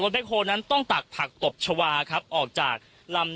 แบคโฮนั้นต้องตักผักตบชาวาครับออกจากลำ